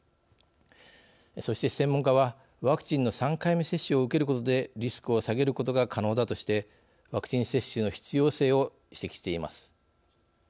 そして専門家はワクチンの３回目接種を受けることでリスクを下げることが可能だとしてワクチン接種の必要性を指摘しています。